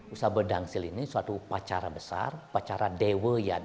usabe dangsil ini suatu pacara besar pacara dewa ianya